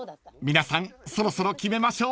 ［皆さんそろそろ決めましょう］